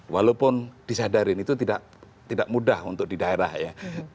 walaupun disadarin itu tidak mudah untuk di daerah ya